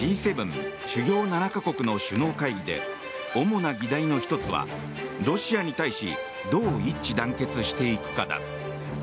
・主要７か国の首脳会議で主な議題の１つはロシアに対しどう一致団結していくかだ。